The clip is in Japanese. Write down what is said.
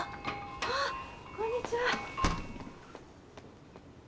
あっこんにちは。